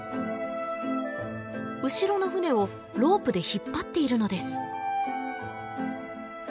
後ろの船をロープで引っ張っているのです